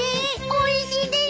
おいしいです。